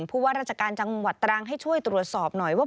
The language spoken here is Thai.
ผู้ว่าราชการจังหวัดตรังให้ช่วยตรวจสอบหน่อยว่า